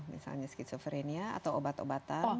misalnya skizofrenia atau obat obatan